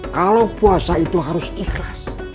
kalau puasa itu harus ikhlas